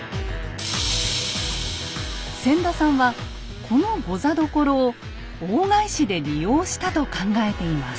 千田さんはこの御座所を大返しで利用したと考えています。